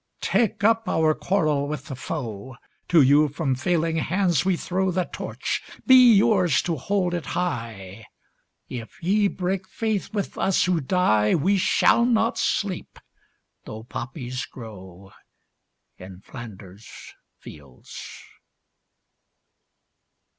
Take up our quarrel with the foe: To you from failing hands we throw The Torch: be yours to hold it high! If ye break faith with us who die We shall not sleep, though poppies grow In Flanders fields.